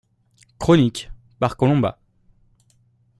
Chronique, par Colomba.